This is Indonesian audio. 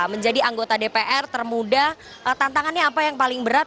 menjadi anggota dpr termuda tantangannya apa yang paling berat